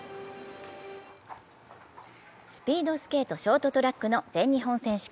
スピードスケート・ショートトラックの全日本選手権。